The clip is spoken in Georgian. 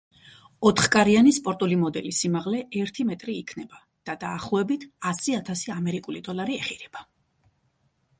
ოთხკარიანი სპორტული მოდელის სიმაღლე ერთი მეტრი იქნება და დაახლოებით ასი ათასი ამერიკული დოლარი ეღირება.